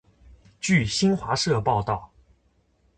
据新华社报道